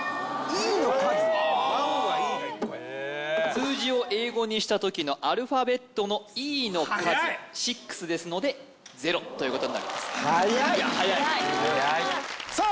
数字を英語にしたときのアルファベットのｅの数ｓｉｘですので０ということになります早いさあ